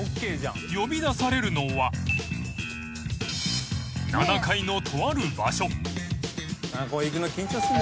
［呼び出されるのは７階のとある場所］